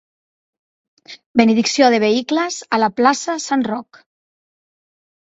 Benedicció de vehicles a la plaça sant Roc.